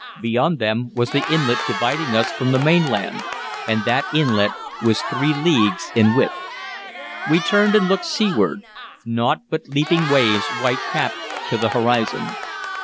Beyond them was the inlet dividing us from the mainland, and that inlet was three leagues in width. We turned and looked seaward. Naught but leaping waves white capped to the horizon.